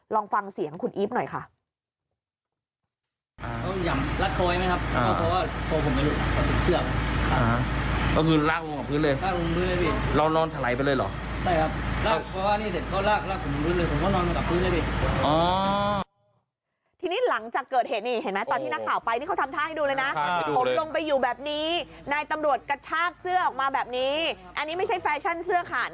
ลองฟังเสียงคุณอีฟหน่อยค่ะ